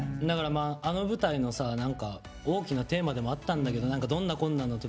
だからまああの舞台のさ何か大きなテーマでもあったんだけど愛と平和というか。